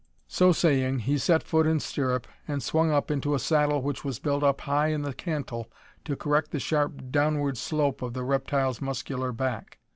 So saying, he set foot in stirrup and swung up into a saddle which was built up high in the cantle to correct the sharp downward slope of the reptile's muscular back.